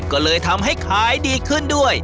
ก็เลยทำให้ขายดีขึ้นด้วย